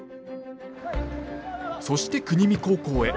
そして国見高校へ。